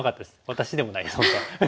私でもないです本当は。